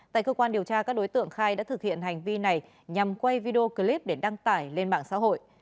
tại cơ quan điều tra các đối tượng khai đã thực hiện hành vi này nhằm quay video clip để đăng tải lên mạng xã hội